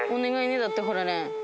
だってほらレン。